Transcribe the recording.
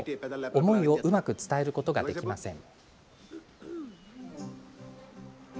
思いをうまく伝えることができません。